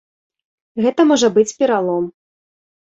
Гэта можа быць пералом.